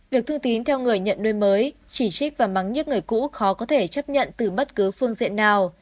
việc thư tín theo người nhận nuôi mới chỉ trích và mắng nhất người cũ khó có thể chấp nhận từ bất cứ phương diện nào